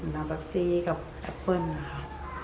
น้องแปปซี่กับแอปเปิ้ลนะคะ